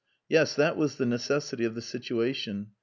Yes, that was the necessity of the situation.